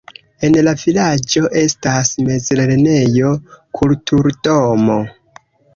En la vilaĝo estas mezlernejo, kulturdomo.